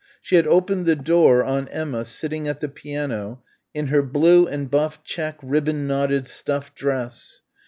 She had opened the door on Emma sitting at the piano in her blue and buff check ribbon knotted stuff dress.